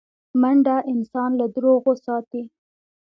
منډه انسان له دروغو ساتي